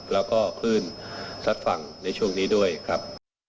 แล้วก็คลื่นซัดฝั่งในช่วงนี้ด้วยครับ